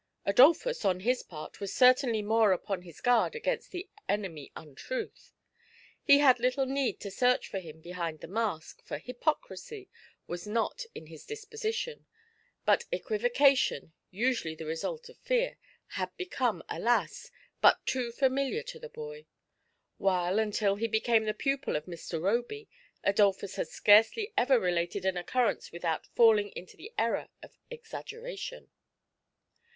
Adolphus. on his part, was certainly more upon his guard against the enemy Untruth. He had little neec} to search for him behind the mask, for hypocrisy was not in his disposition ; but equivocation, usually the result of fear, had become, alas ! but too familiar to the boy ; while, until he became the pupil of Mr. Roby, Adolphus had scarcely ever related an occurrence without falling into the error of exaggeration.